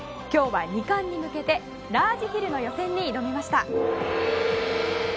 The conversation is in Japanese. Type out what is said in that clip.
今日は２冠に向けてラージヒルの予選に挑みました。